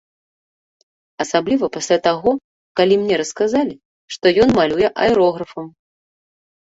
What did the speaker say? Асабліва пасля таго, калі мне расказалі, што ён малюе аэрографам.